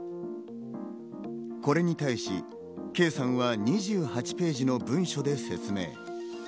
これに対し、圭さんは２８ページの文書で説明。